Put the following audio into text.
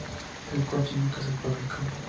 El coche nunca se fabricó.